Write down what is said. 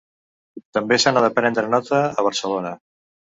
També se n’ha de prendre nota, a Barcelona.